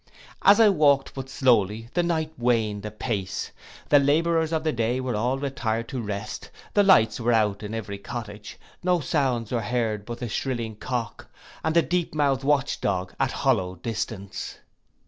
As I walked but slowly, the night wained apace. The labourers of the day were all retired to rest; the lights were out in every cottage; no sounds were heard but of the shrilling cock, and the deep mouthed watch dog, at hollow distance.